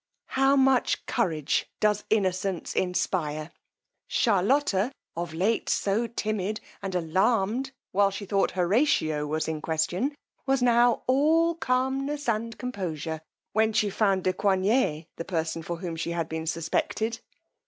How much courage does innocence inspire? Charlotta, of late so timid and alarmed while she thought Horatio was in question, was now all calmness and composure, when she found de Coigney the person for whom she had been suspected.